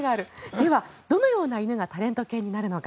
では、どのような犬がタレント犬になるのか。